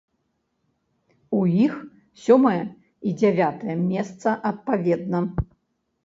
У іх сёмае і дзявятае месца адпаведна.